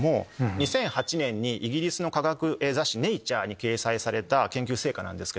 ２００８年にイギリスの科学雑誌『ネイチャー』に掲載された研究成果なんですけど。